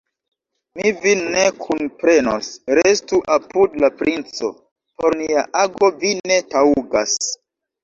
Mi vin ne kunprenos, restu apud la princo, por nia ago vi ne taŭgas.